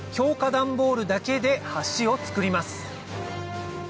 ダンボールだけで橋を作ります